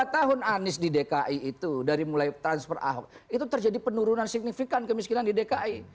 lima tahun anies di dki itu dari mulai transfer ahok itu terjadi penurunan signifikan kemiskinan di dki